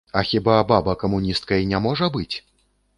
А хіба баба камуністкай не можа быць?